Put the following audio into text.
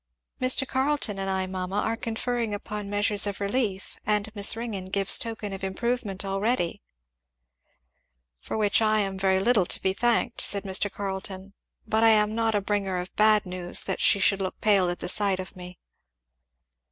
"Mr. Carleton and I, mamma, are conferring upon measures of relief, and Miss Ringgan gives token of improvement already." "For which I am very little to be thanked," said Mr. Carleton. "But I am not a bringer of bad news, that she should look pale at the sight of me."